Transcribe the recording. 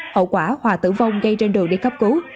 hậu quả hòa tử vong gây trên đường đi khắp cứu